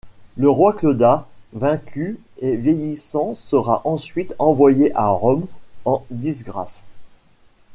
Le roi Claudas vaincu et vieillissant sera ensuite envoyé à Rome en disgrâce.